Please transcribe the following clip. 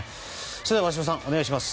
それでは鷲尾さんお願いします。